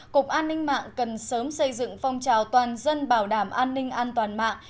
cục an ninh mạng cần sớm xây dựng phong trào toàn dân bảo đảm an ninh an toàn mạng